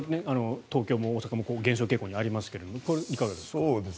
東京も大阪も減少傾向にありますがこれはいかがですか？